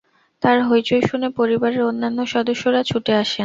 তাঁর হৈচৈ শুনে পরিবারের অন্যান্য সদস্যরা ছুটে আসেন।